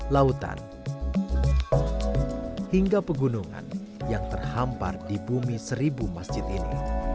lautan hingga pegunungan yang terhampar di bumi seribu masjid ini